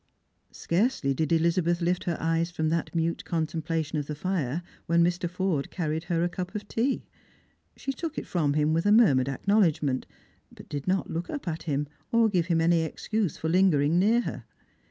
Scarcely did Elizabeth lift her eyes from that mute contem plation of the fire when Mr. Forde carried her a cup of tea. She took it from him with a murmured acknowledgment, but did not look up at him, or give him any excuse for lingering near her.